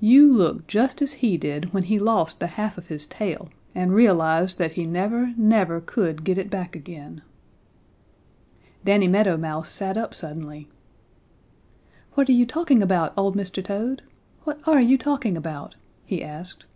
You look just as he did when he lost the half of his tail and realized that he never, never could get it back again." Danny Meadow Mouse sat up suddenly. "What are you talking about, old Mr. Toad? What are you talking about?" he asked.